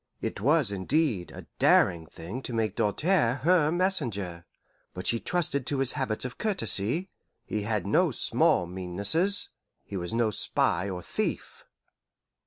It was, indeed, a daring thing to make Doltaire her messenger. But she trusted to his habits of courtesy; he had no small meannesses he was no spy or thief.